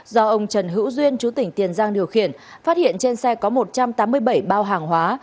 do ông trần hữu duyên chú tỉnh tiền giang điều khiển phát hiện trên xe có một trăm tám mươi bảy bao hàng hóa